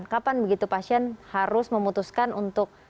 kapan begitu pasien harus memutuskan untuk